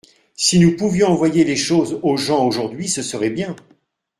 Si nous pouvions envoyer les choses aux gens aujourd’hui ce serait bien.